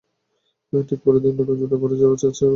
ঠিক পরের দিন নতুন জুতা পরে যাব চার্চে, নতুন জামা, অনেক প্ল্যান।